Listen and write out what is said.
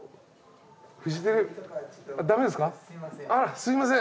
すいません。